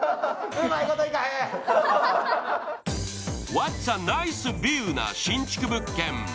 ワッツ・ア・ナイス・ビューな新築物件。